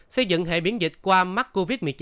hai xây dựng hệ biến dịch qua mắc covid một mươi chín